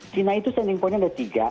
china itu standing poinnya ada tiga